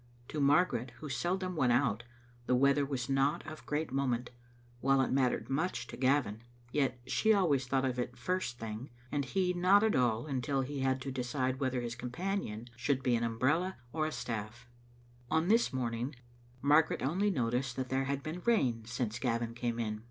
To Margaret, who seldom went out, the weather was not of great moment, while it mattered much to Gavin, yet she always thought of it the first thing, and he not at all until he had to de cide whether his companion should be an umbrella or a stafiE. On this morning Margaret only noticed that there had been rain since Gavin came in.